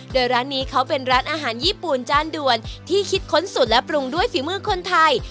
โดยร้านนี้เขาเป็นร้านอาหารญี่ปุ่นจานด่วนที่คิดค้นสุดและปรุงด้วยฝีมือคนไทย